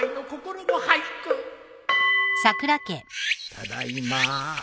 ただいま。